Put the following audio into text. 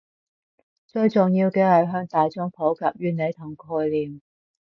最重要嘅係向大衆普及原理同概念